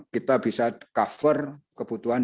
kita bisa cover kebutuhan